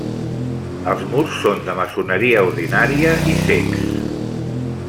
Els murs són de maçoneria ordinària i cecs.